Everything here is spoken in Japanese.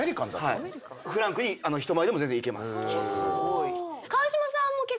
フランクに人前でも全然いけます。